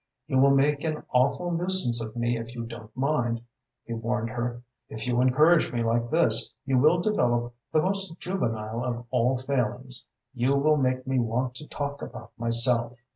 "You will make an awful nuisance of me if you don't mind," he warned her. "If you encourage me like this, you will develop the most juvenile of all failings you will make me want to talk about myself.